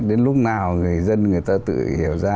đến lúc nào người dân người ta tự hiểu ra